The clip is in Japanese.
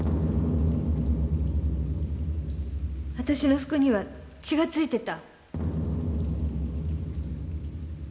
あたしの服には血が付いてた。